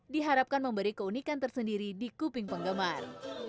diharapkan memberi keunikan tersendiri di kuping penggemar